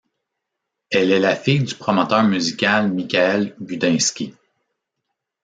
Elle est la fille du promoteur musical Michael Gudinski.